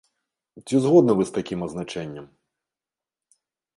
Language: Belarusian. Ці згодны вы з такім азначэннем?